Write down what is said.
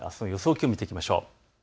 気温を見ていきましょう。